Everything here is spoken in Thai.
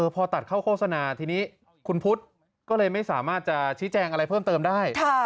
พอตัดเข้าโฆษณาทีนี้คุณพุทธก็เลยไม่สามารถจะชี้แจงอะไรเพิ่มเติมได้